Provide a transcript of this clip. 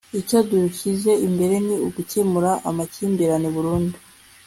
icyo dushyize imbere ni ugukemura amakimbirane burundu